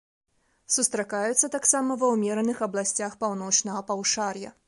Сустракаюцца таксама ва ўмераных абласцях паўночнага паўшар'я.